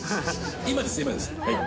今です、今です。